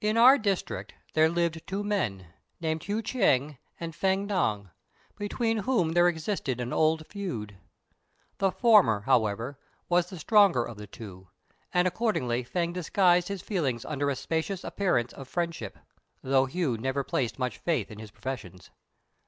In our district there lived two men, named Hu Ch'êng and Fêng Ngan, between whom there existed an old feud. The former, however, was the stronger of the two; and accordingly Fêng disguised his feelings under a specious appearance of friendship, though Hu never placed much faith in his professions.